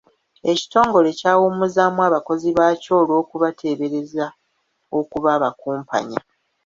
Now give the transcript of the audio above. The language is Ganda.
Ekitongole kyawummuzaamu abakozi baakyo olw'okubateebereza okuba abakumpanya.